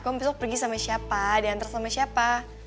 kamu besok pergi sama siapa diantar sama siapa